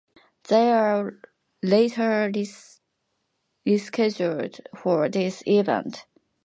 They were later rescheduled for this event.